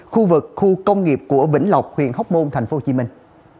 khu vực khu công nghiệp của vĩnh lộc huyện hóc môn thành phố hồ chí minh